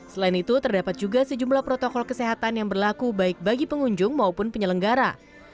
selain itu terdapat juga sejumlah protokol kesehatan yang berlaku baik bagi pengunjung maupun penyelenggara